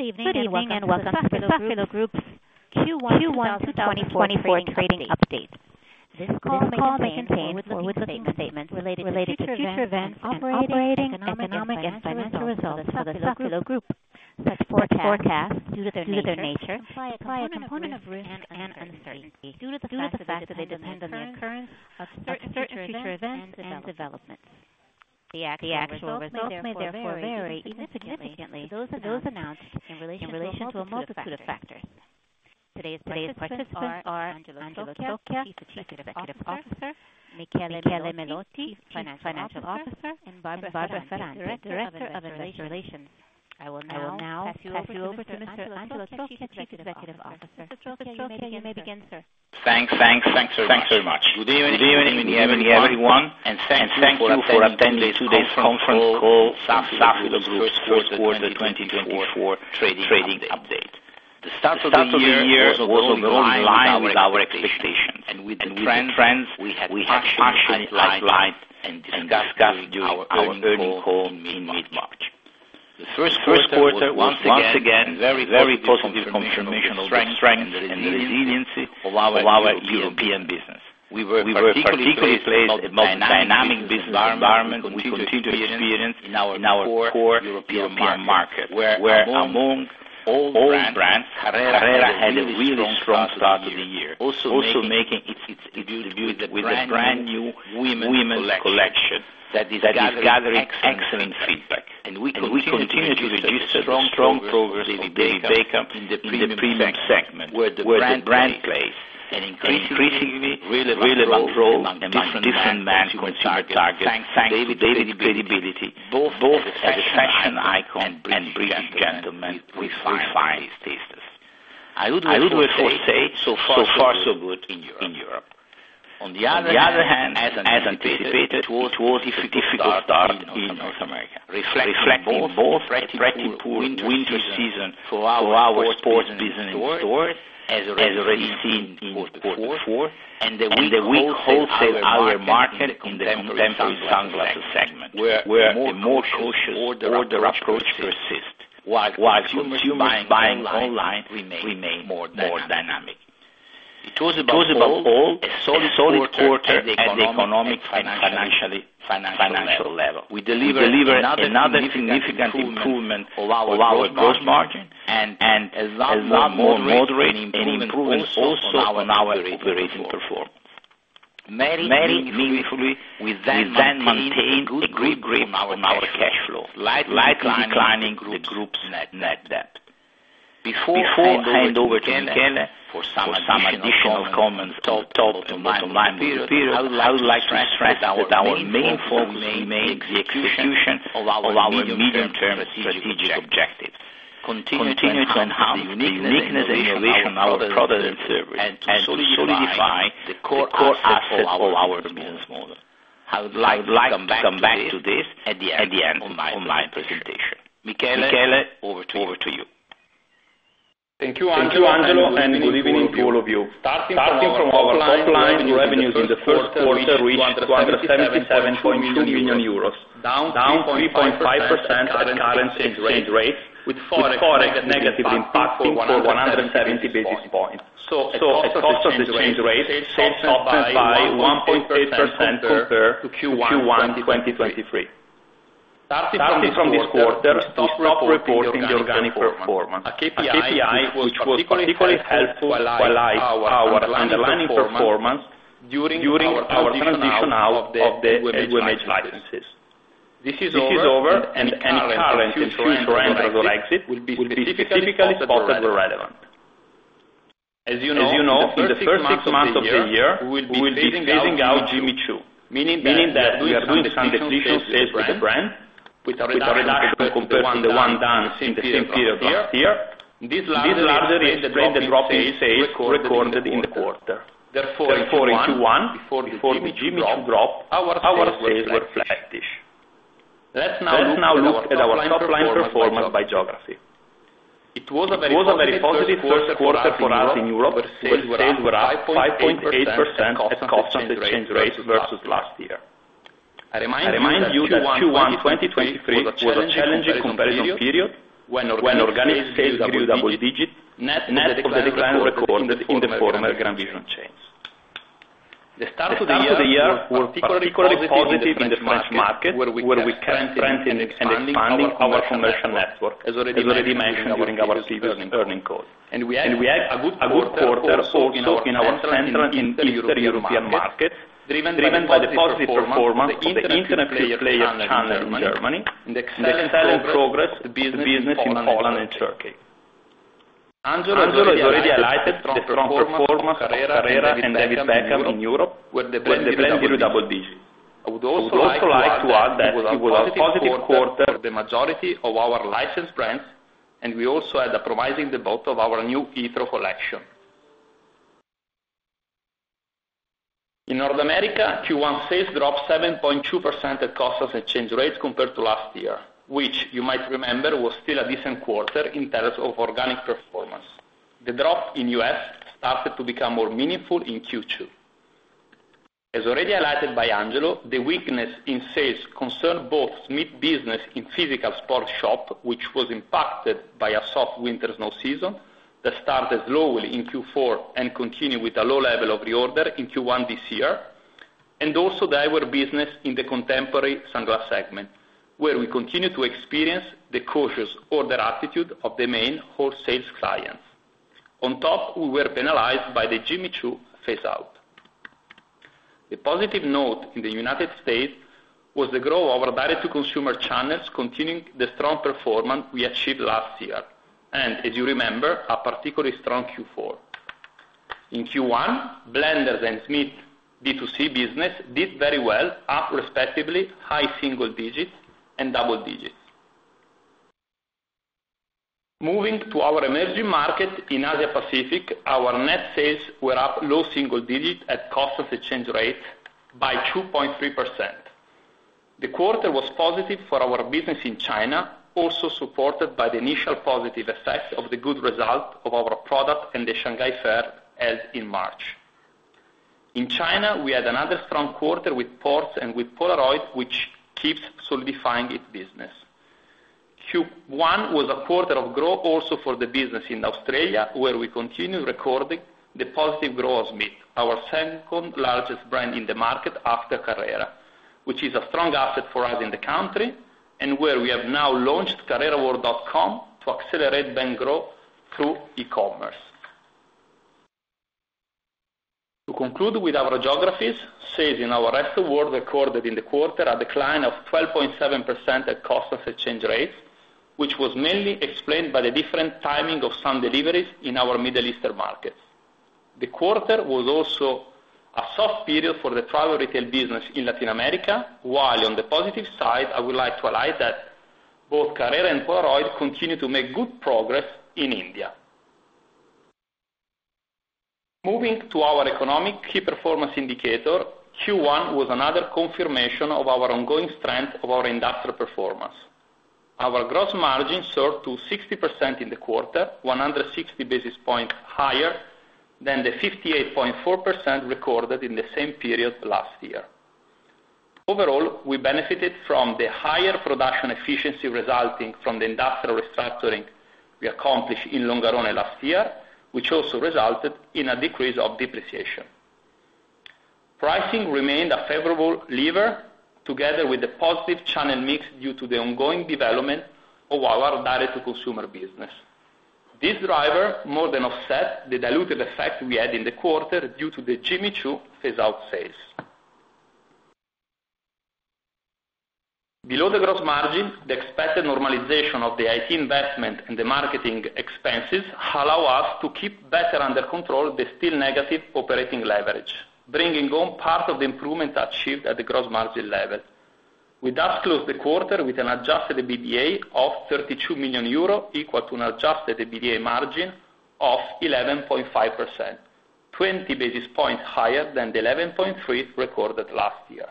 Good evening, and welcome to Safilo Group's Q1 2024 trading update. This call may contain forward-looking statements related to future events and operating, economic, and financial results for the Safilo Group. Such forecasts, due to their nature, imply a component of risk and uncertainty due to the fact that they depend on the occurrence of certain future events and developments. The actual results may therefore vary significantly to those announced in relation to a multitude of factors. Today's participants are Angelo Trocchia, Chief Executive Officer, Michele Melotti, Chief Financial Officer, and Barbara Ferrante, Director of Investor Relations. I will now pass you over to Mr. Angelo Trocchia, Chief Executive Officer. Mr. Trocchia, you may begin, sir. Thanks, thanks very much. Good evening, everyone, and thank you for attending today's conference call on Safilo Group's first quarter 2024 trading update. The start of the year was along the line with our expectations, and with the trends we had partially outlined and discussed during our earnings call in mid-March. The first quarter was once again a very positive confirmation of the strength and the resiliency of our European business. We were particularly pleased with the most dynamic business environment we continue to experience in our core European market, where among all brands, Carrera had a really strong start of the year, also making its debut with a brand new women's collection that is gathering excellent feedback. And we continued to register the strong progress of David Beckham in the premium segment, where the brand plays an increasingly relevant role among different man consumer targets, thanks to David's credibility, both as a fashion icon and British gentleman with refined tastes. I would also say, so far, so good in Europe. On the other hand, as anticipated, it was a difficult start in North America, reflecting both a pretty poor winter season for our sports business in stores, as already seen in quarter four, and the weak wholesale outer market in the contemporary sunglasses segment, where a more cautious order approach persists, while consumers buying online remain more dynamic. It was about all, a solid quarter at the economic and financial level. We delivered another significant improvement of our gross margin and a lot more moderate, an improvement also on our operating performance. More meaningfully, we then maintained a good grip on our cash flow, lightly declining the group's net debt. Before I hand over to Michele for some additional comments on the top and bottom line period, I would like to stress that our main focus remains the execution of our medium-term strategic objectives, continue to enhance the uniqueness and innovation of our products and services, and to solidify the core asset of our business model. I would like to come back to this at the end of my presentation. Michele, over to you. Thank you, Angelo, and good evening to all of you. Starting from our top line, revenues in the first quarter reached 277.2 million euros, down 3.5% at current exchange rates, with Forex negatively impacting for 170 basis points. So constant exchange rate off by 1.8% compared to Q1 2023. Starting from this quarter, we stopped reporting the organic performance, a KPI which was particularly helpful to highlight our underlying performance during our transition out of the LVMH licenses. This is over, and any current and future entries or exit will be specifically spotted where relevant. As you know, in the first six months of the year, we will be phasing out Jimmy Choo, meaning that we are doing some decisions with the brand, with a reduction compared to the one done in the same period last year. This largely explained the drop in sales recorded in the quarter. Therefore, in Q1, before the Jimmy Choo drop, our sales were flattish. Let's now look at our top line performance by geography. It was a very positive first quarter for us in Europe, where sales were up 5.8% at constant exchange rate versus last year. I remind you that Q1, 2023, was a challenging comparison period, when organic sales grew double-digit, net of the decline recorded in the former GrandVision chains. The start of the year were particularly positive in the French market, where we kept strengthening and expanding our commercial network, as already mentioned during our previous earnings call. We had a good quarter also in our central and Eastern European market, driven by the positive performance of the independent player channel in Germany, and the excellent progress of the business in Poland and Turkey. Angelo has already highlighted the strong performance of Carrera and David Beckham in Europe, with the brands double digits. I would also like to add that it was a positive quarter for the majority of our licensed brands, and we also had a promising debut of our new Etro collection. In North America, Q1 sales dropped 7.2% at constant exchange rate compared to last year, which you might remember, was still a decent quarter in terms of organic performance. The drop in U.S. started to become more meaningful in Q2. As already highlighted by Angelo, the weakness in sales concern both Smith business in physical sports shop, which was impacted by a soft winter snow season that started lowly in Q4 and continued with a low level of reorder in Q1 this year, and also the eyewear business in the contemporary sunglasses Segment, where we continue to experience the cautious order attitude of the main wholesale clients. On top, we were penalized by the Jimmy Choo phase out. The positive note in the United States was the growth of our direct-to-consumer channels, continuing the strong performance we achieved last year, and as you remember, a particularly strong Q4. In Q1, Blenders and Smith B2C business did very well, up respectively, high single digits and double digits. Moving to our emerging market in Asia Pacific, our net sales were up low single digits at constant exchange rate by 2.3%. The quarter was positive for our business in China, also supported by the initial positive effects of the good result of our product in the Shanghai Fair, as in March. In China, we had another strong quarter with Ports and with Polaroid, which keeps solidifying its business. Q1 was a quarter of growth also for the business in Australia, where we continue recording the positive growth, Smith, our second largest brand in the market after Carrera, which is a strong asset for us in the country, and where we have now launched carreraworld.com to accelerate brand growth through e-commerce. To conclude with our geographies, sales in our Rest of World recorded in the quarter a decline of 12.7% at constant exchange rate, which was mainly explained by the different timing of some deliveries in our Middle East markets. The quarter was also a soft period for the travel retail business in Latin America, while on the positive side, I would like to highlight that both Carrera and Polaroid continue to make good progress in India. Moving to our economic key performance indicator, Q1 was another confirmation of our ongoing strength of our industrial performance. Our gross margin soared to 60% in the quarter, 160 basis points higher than the 58.4% recorded in the same period last year. Overall, we benefited from the higher production efficiency resulting from the industrial restructuring we accomplished in Longarone last year, which also resulted in a decrease of depreciation. Pricing remained a favorable lever, together with the positive channel mix due to the ongoing development of our direct-to-consumer business. This driver more than offset the diluted effect we had in the quarter due to the Jimmy Choo phase out sales. Below the gross margin, the expected normalization of the IT investment and the marketing expenses allow us to keep better under control the still negative operating leverage, bringing on part of the improvement achieved at the gross margin level. We thus closed the quarter with an adjusted EBITDA of 32 million euro, equal to an adjusted EBITDA margin of 11.5%, 20 basis points higher than the 11.3 recorded last year.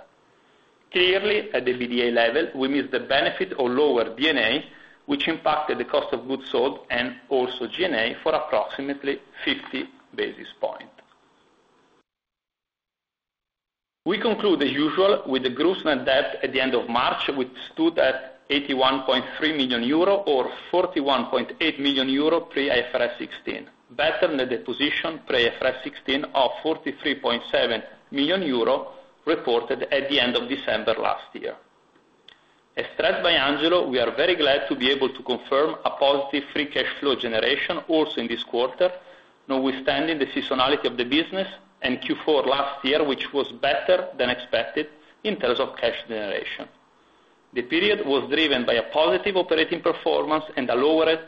Clearly, at the EBITDA level, we missed the benefit of lower D&A, which impacted the cost of goods sold and also G&A for approximately 50 basis points. We conclude the usual with the net debt at the end of March, which stood at 81.3 million euro or 41.8 million euro pre IFRS 16, better than the position pre IFRS 16 of 43.7 million euro, reported at the end of December last year. As stressed by Angelo, we are very glad to be able to confirm a positive free cash flow generation also in this quarter, notwithstanding the seasonality of the business in Q4 last year, which was better than expected in terms of cash generation. The period was driven by a positive operating performance and a lowered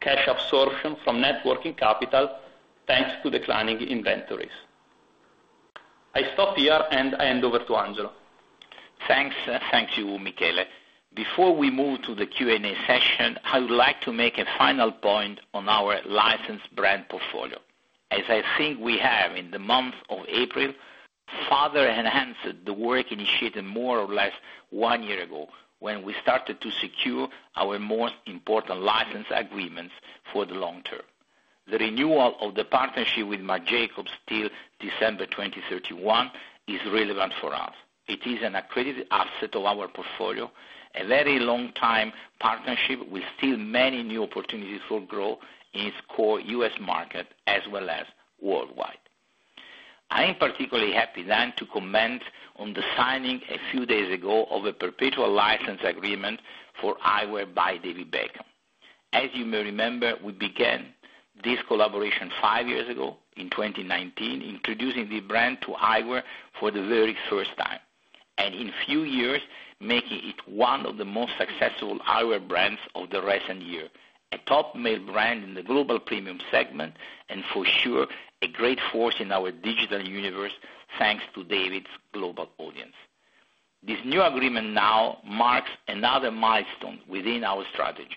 cash absorption from net working capital, thanks to declining inventories. I stop here and I hand over to Angelo. Thanks. Thank you, Michele. Before we move to the Q&A session, I would like to make a final point on our licensed brand portfolio. As I think we have in the month of April, further enhanced the work initiated more or less one year ago, when we started to secure our most important license agreements for the long term. The renewal of the partnership with Marc Jacobs till December 2031 is relevant for us. It is an accredited asset of our portfolio, a very long time partnership with still many new opportunities for growth in its core U.S. market as well as worldwide. I am particularly happy then to comment on the signing a few days ago of a perpetual license agreement for Eyewear by David Beckham. As you may remember, we began this collaboration five years ago in 2019, introducing the brand to eyewear for the very first time, and in a few years, making it one of the most successful eyewear brands of the recent year, a top male brand in the global premium segment, and for sure, a great force in our digital universe, thanks to David's global audience. This new agreement now marks another milestone within our strategy.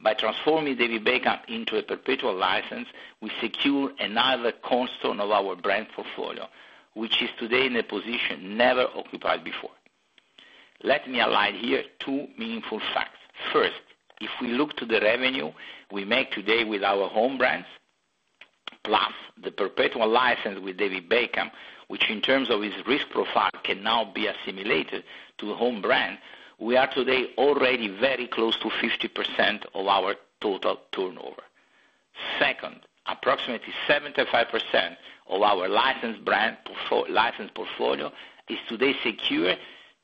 By transforming David Beckham into a perpetual license, we secure another cornerstone of our brand portfolio, which is today in a position never occupied before. Let me align here two meaningful facts. First, if we look to the revenue we make today with our home brands, plus the perpetual license with David Beckham, which in terms of its risk profile, can now be assimilated to a home brand, we are today already very close to 50% of our total turnover. Second, approximately 75% of our licensed brand portfolio is today secure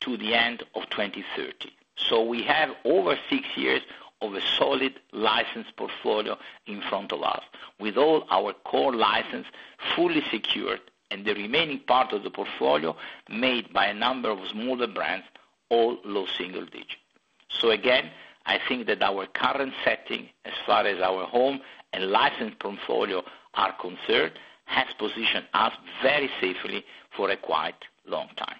to the end of 2030. So we have over six years of a solid licensed portfolio in front of us, with all our core license fully secured, and the remaining part of the portfolio made by a number of smaller brands, all low single digit. So again, I think that our current setting, as far as our home and licensed portfolio are concerned, has positioned us very safely for a quite long time.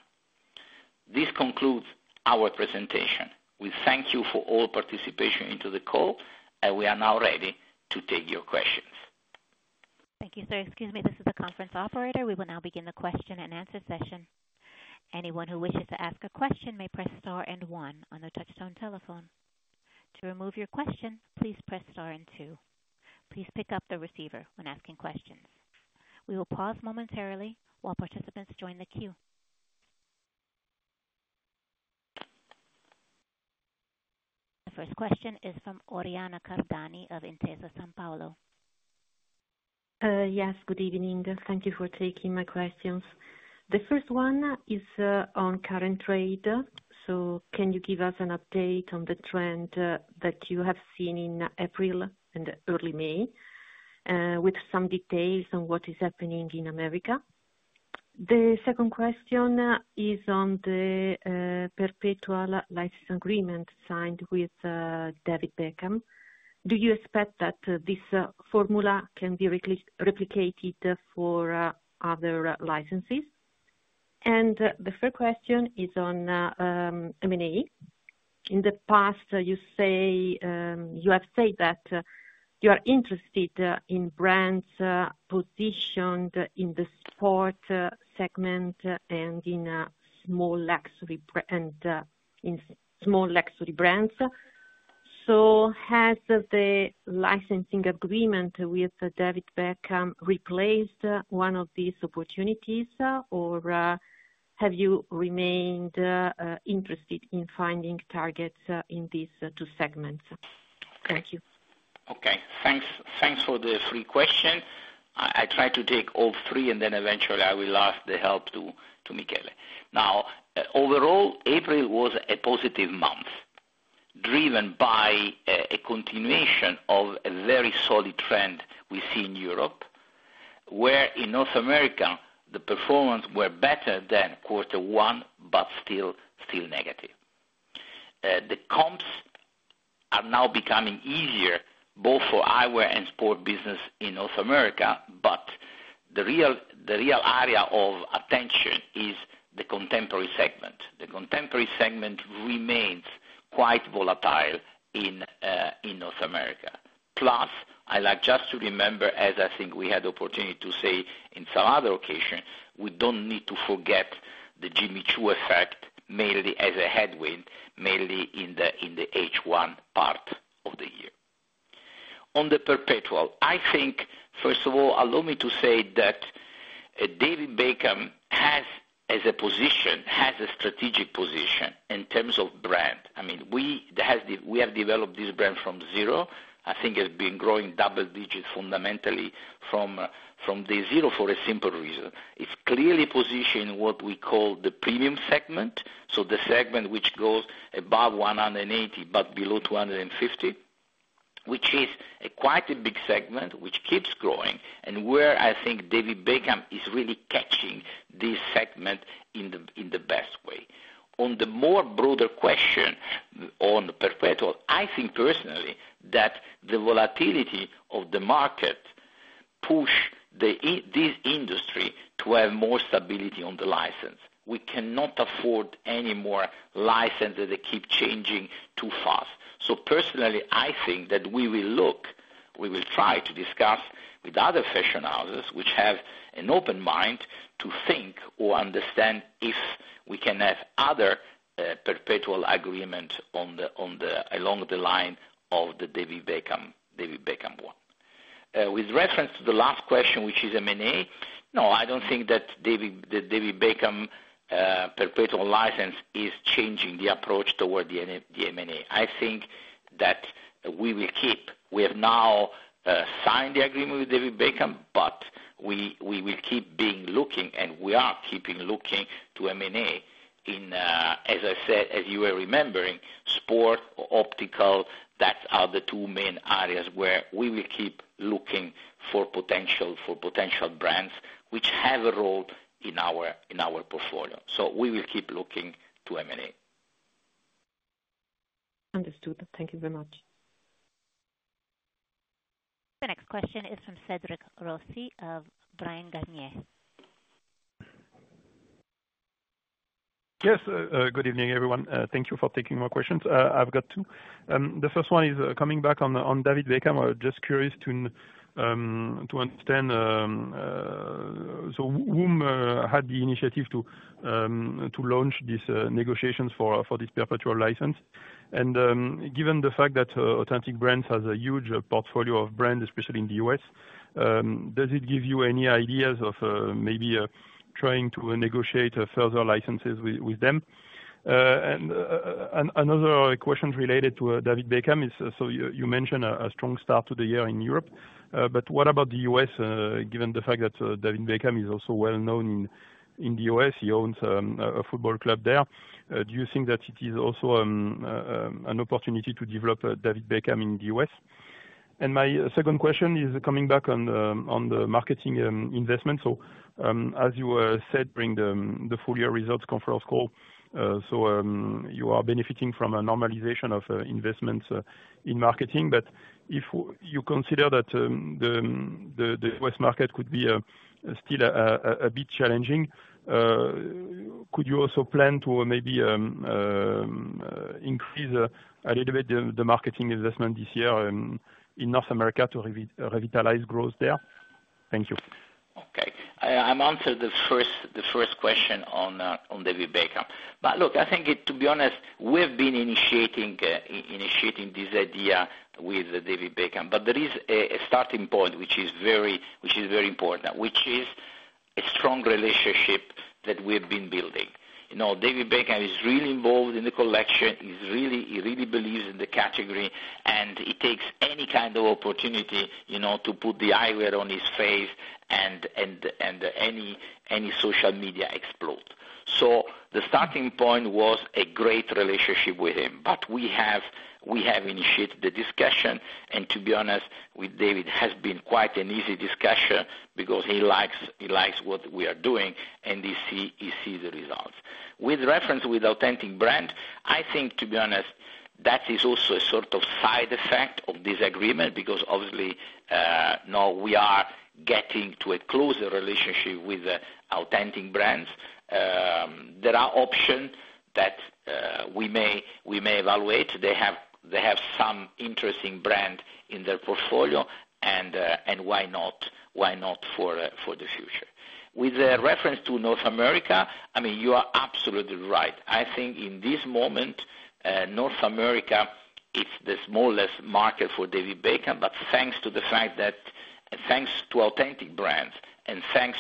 This concludes our presentation. We thank you for all participation into the call, and we are now ready to take your questions. Thank you, sir. Excuse me, this is the conference operator. We will now begin the question-and-answer session. Anyone who wishes to ask a question may press star and one on the touchtone telephone. To remove your question, please press star and two. Please pick up the receiver when asking questions. We will pause momentarily while participants join the queue. The first question is from Oriana Cardani of Intesa Sanpaolo. Yes, good evening. Thank you for taking my questions. The first one is on current trade. So can you give us an update on the trend that you have seen in April and early May with some details on what is happening in America? The second question is on the perpetual license agreement signed with David Beckham. Do you expect that this formula can be replicated for other licenses? And the third question is on M&A. In the past, you say you have said that you are interested in brands positioned in the sport segment and in small luxury brands. So has the licensing agreement with David Beckham replaced one of these opportunities, or have you remained interested in finding targets in these two segments? Thank you. Okay. Thanks, thanks for the three question. I try to take all three, and then eventually I will ask the help to Michele. Now, overall, April was a positive month, driven by a continuation of a very solid trend we see in Europe, where in North America, the performance were better than quarter one, but still negative. The comps are now becoming easier, both for eyewear and sport business in North America, but the real area of attention is the contemporary segment. The contemporary segment remains quite volatile in North America. Plus, I like just to remember, as I think we had the opportunity to say in some other occasions, we don't need to forget the Jimmy Choo effect, mainly as a headwind, mainly in the H1 part of the year. On the perpetual, I think, first of all, allow me to say that David Beckham has a strategic position in terms of brand. I mean, we have developed this brand from zero. I think it's been growing double digits fundamentally from the zero for a simple reason. It's clearly positioned in what we call the premium segment, so the segment which goes above 180, but below 250, which is quite a big segment, which keeps growing, and where I think David Beckham is really catching this segment in the best way. On the more broader question on the perpetual, I think personally, that the volatility of the market push this industry to have more stability on the license. We cannot afford any more license that they keep changing too fast. So personally, I think that we will look, we will try to discuss with other fashion houses, which have an open mind, to think or understand if we can have other perpetual agreement on the, on the, along the line of the David Beckham, David Beckham one. With reference to the last question, which is M&A, no, I don't think that David, the David Beckham perpetual license is changing the approach toward the N- the M&A. I think that we will keep. We have now signed the agreement with David Beckham, but we, we will keep being looking, and we are keeping looking to M&A in, as I said, as you were remembering, sport or optical, that are the two main areas where we will keep looking for potential, for potential brands, which have a role in our, in our portfolio. We will keep looking to M&A. Understood. Thank you very much. The next question is from Cédric Rossi of Bryan Garnier. Yes, good evening, everyone. Thank you for taking my questions. I've got two. The first one is coming back on David Beckham. I was just curious to understand so whom had the initiative to launch this negotiations for this perpetual license? And, given the fact that Authentic Brands has a huge portfolio of brands, especially in the U.S., does it give you any ideas of maybe trying to negotiate further licenses with them? And another question related to David Beckham is, so you mentioned a strong start to the year in Europe, but what about the U.S., given the fact that David Beckham is also well known in the U.S.? He owns a football club there. Do you think that it is also an opportunity to develop David Beckham in the U.S.? And my second question is coming back on the marketing investment. So, as you said during the full-year results conference call, so, you are benefiting from a normalization of investments in marketing. But if you consider that the U.S. market could be still a bit challenging, could you also plan to maybe increase a little bit the marketing investment this year in North America to revitalize growth there? Thank you. Okay. I'm answering the first question on David Beckham. But look, I think, to be honest, we have been initiating this idea with David Beckham, but there is a starting point, which is very important, which is a strong relationship that we have been building. You know, David Beckham is really involved in the collection. He really believes in the category, and he takes any kind of opportunity, you know, to put the eyewear on his face and any social media explodes. So the starting point was a great relationship with him, but we have initiated the discussion, and to be honest, with David, it has been quite an easy discussion because he likes what we are doing, and he sees the results. With reference to Authentic Brands, I think, to be honest, that is also a sort of side effect of this agreement, because obviously, now we are getting to a closer relationship with Authentic Brands. There are options that we may evaluate. They have some interesting brands in their portfolio, and why not? Why not for the future. With reference to North America, I mean, you are absolutely right. I think in this moment, North America, it's the smallest market for David Beckham, but thanks to Authentic Brands, and thanks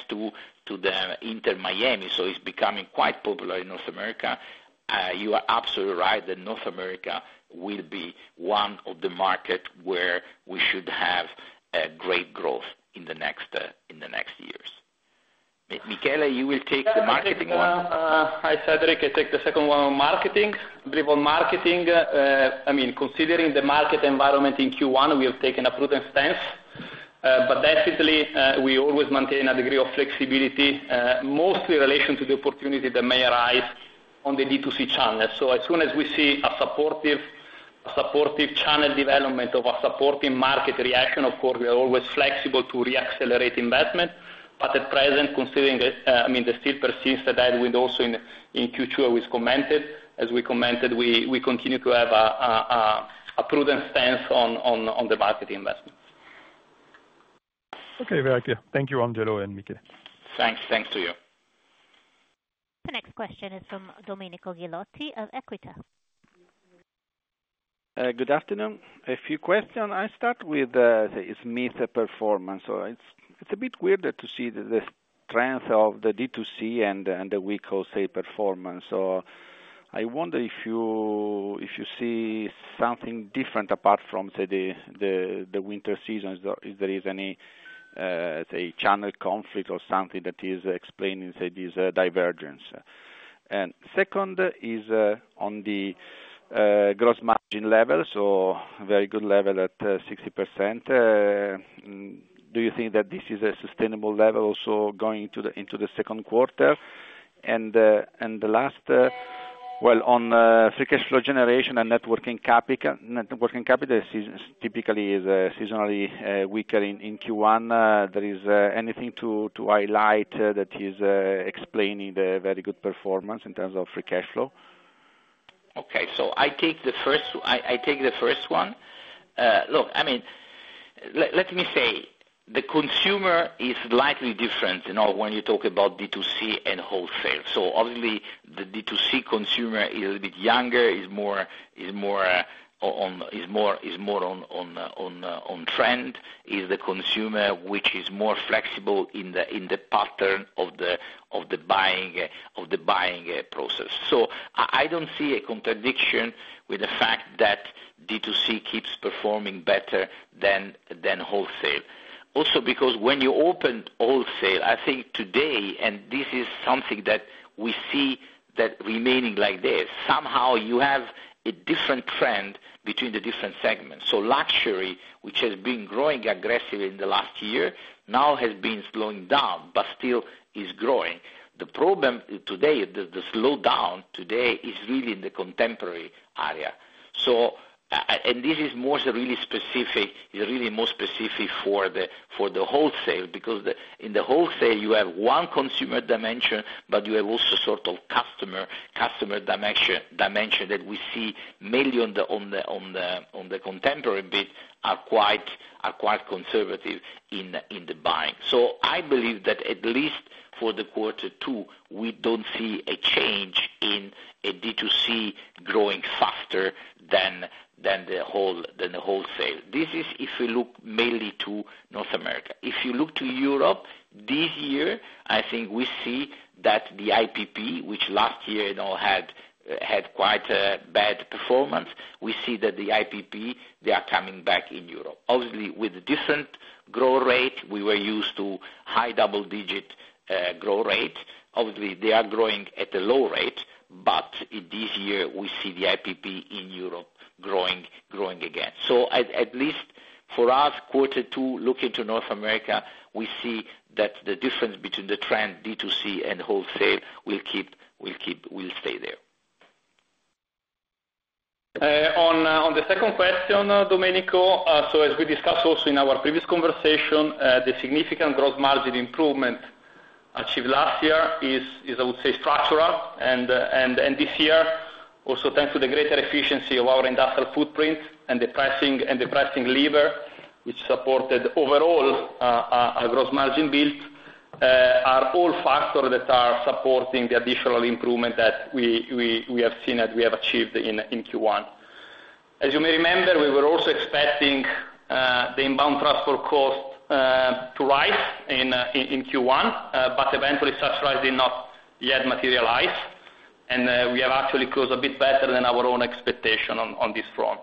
to the Inter Miami, so it's becoming quite popular in North America, you are absolutely right that North America will be one of the market where we should have a great growth in the next years. Michele, you will take the marketing one. Hi, Cédric. I take the second one on marketing. But on marketing, I mean, considering the market environment in Q1, we have taken a prudent stance, but definitely, we always maintain a degree of flexibility, mostly in relation to the opportunity that may arise on the D2C channel. So as soon as we see a supportive channel development or a supporting market reaction, of course, we are always flexible to reaccelerate investment, but at present, considering the, I mean, the still persistent headwind also in Q2, as commented. As we commented, we continue to have a prudent stance on the marketing investments. Okay, very clear. Thank you, Angelo and Michele. Thanks. Thanks to you. The next question is from Domenico Ghilotti of Equita. Good afternoon. A few questions. I start with, it's mixed performance. So it's a bit weird to see the strength of the D2C and the weak wholesale performance. So I wonder if you see something different apart from, say, the winter seasons, if there is any, say, channel conflict or something that is explaining, say, this divergence. And second is on the gross margin level, so very good level at 60%. Do you think that this is a sustainable level also going into the second quarter? And the last, well, on free cash flow generation and net working capital, typically is seasonally weaker in Q1. Is there anything to highlight that is explaining the very good performance in terms of free cash flow? Okay, so I take the first one. Look, I mean, let me say, the consumer is slightly different, you know, when you talk about D2C and wholesale. So obviously, the D2C consumer is a bit younger, is more on trend, is the consumer which is more flexible in the pattern of the buying process. So I don't see a contradiction with the fact that D2C keeps performing better than wholesale. Also, because when you opened wholesale, I think today, and this is something that we see that remaining like this, somehow you have a different trend between the different segments. So luxury, which has been growing aggressively in the last year, now has been slowing down, but still is growing. The problem today, the slowdown today is really in the contemporary area. So, and this is really more specific for the wholesale, because in the wholesale, you have one consumer dimension, but you have also sort of customer dimension that we see mainly on the contemporary bit are quite conservative in the buying. So I believe that at least for the quarter two, we don't see a change in a D2C growing faster than the wholesale. This is if you look mainly to North America. If you look to Europe, this year, I think we see that the IPP, which last year, you know, had quite a bad performance. We see that the IPP, they are coming back in Europe, obviously, with a different growth rate. We were used to high double-digit growth rate. Obviously, they are growing at a low rate, but this year, we see the IPP in Europe growing again. So at least for us, quarter two, looking to North America, we see that the difference between the trend D2C and wholesale will keep, will stay there. On the second question, Domenico, so as we discussed also in our previous conversation, the significant growth margin improvement achieved last year is, I would say, structural. And this year, also thanks to the greater efficiency of our industrial footprint and the pricing, and the pricing lever, which supported overall our gross margin build, are all factors that are supporting the additional improvement that we have seen that we have achieved in Q1. As you may remember, we were also expecting the inbound transport cost to rise in Q1, but eventually such rise did not yet materialize, and we have actually closed a bit better than our own expectation on this front.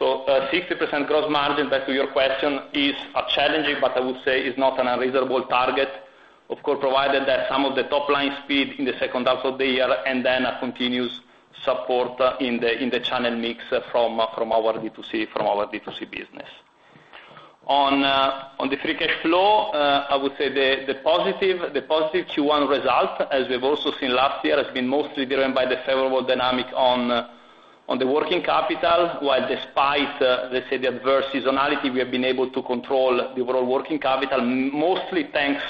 60% gross margin, back to your question, is, are challenging, but I would say is not an unreasonable target. Of course, provided that some of the top-line speed in the second half of the year, and then a continuous support in the channel mix from our D2C business. On the free cash flow, I would say the positive Q1 result, as we've also seen last year, has been mostly driven by the favorable dynamic on the working capital, while despite, let's say, the adverse seasonality, we have been able to control the overall working capital, mostly thanks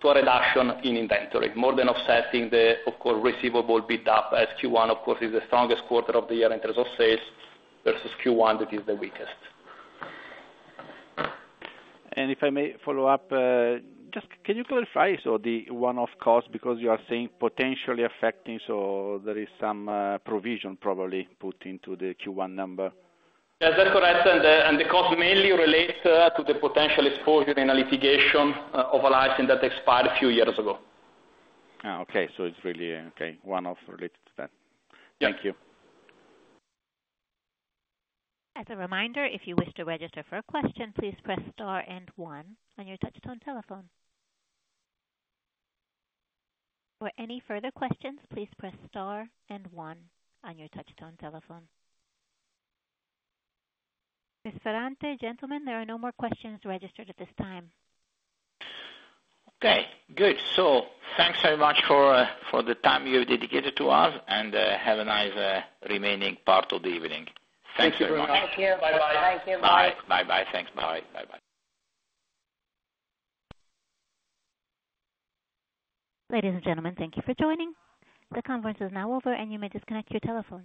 to a reduction in inventory, more than offsetting the, of course, receivables build-up as Q1, of course, is the strongest quarter of the year in terms of sales, versus Q1, that is the weakest. If I may follow up, just can you clarify, so the one-off cost, because you are saying potentially affecting, so there is some provision probably put into the Q1 number? Yes, that's correct. And the cost mainly relates to the potential exposure in a litigation of a license that expired a few years ago. Okay. So it's really, okay, one-off related to that. Yeah. Thank you. As a reminder, if you wish to register for a question, please press star and one on your touchtone telephone. For any further questions, please press star and one on your touchtone telephone. Ms. Ferrante, gentlemen, there are no more questions registered at this time. Okay, good. So thanks very much for the time you have dedicated to us, and have a nice remaining part of the evening. Thank you very much. Thank you. Bye-bye. Thank you. Bye. Bye. Bye-bye. Thanks. Bye. Bye-bye. Ladies and gentlemen, thank you for joining. The conference is now over, and you may disconnect your telephone.